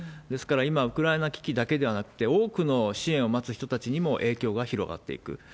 ですから今、ウクライナ危機だけではなくて、多くの支援を待つ人たちにも影響が広がっていく。